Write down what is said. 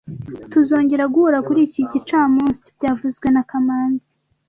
Tuzongera guhura kuri iki gicamunsi byavuzwe na kamanzi